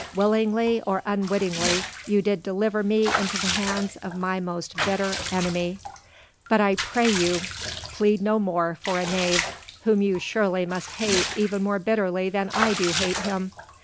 Willingly or unwittingly, you did deliver me into the hands of my most bitter enemy. But I pray you, plead no more for a knave whom you surely must hate even more bitterly than I do hate him.